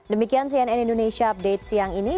demikian cnn indonesia update siang ini